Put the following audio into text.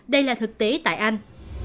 đây là thực tế tại anh